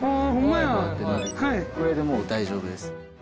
これでもう大丈夫です。